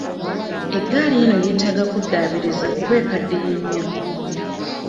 Eggaali eno yeetaaga kuddaabiriza kuba ekaddiye nnyo.